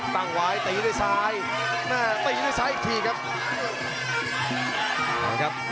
ตั้งไว้ตีด้วยซ้ายแม่ตีด้วยซ้ายอีกทีครับ